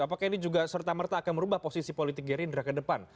apakah ini juga serta merta akan merubah posisi politik gerindra ke depan